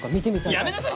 やめなさい！